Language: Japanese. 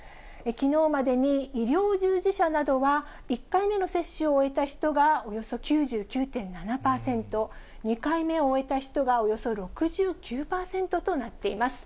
きのうまでに医療従事者などは、１回目の接種を終えた人がおよそ９９．７％、２回目を終えた人がおよそ６９％となっています。